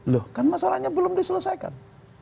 loh kan masalahnya belum diselesaikan